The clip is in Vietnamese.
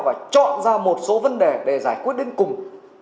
và chọn ra một số vấn đề để giải quyết đến cùng